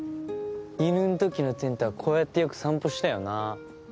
犬ん時のてんとはこうやってよく散歩したよな。